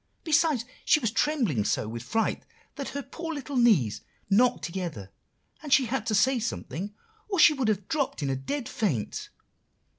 Besides, she was trembling so with fright, that her poor little knees knocked together, and she had to say something or she would have dropped in a dead faint.